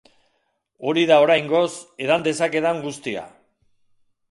Hori da oraingoz edan dezakedan guztia.